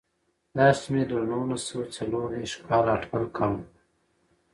دا شمېر له نولس سوه څلور دېرش کال اټکل کم و.